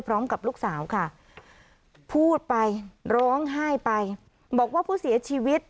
พร้อมกับลูกสาวค่ะพูดไปร้องไห้ไปบอกว่าผู้เสียชีวิต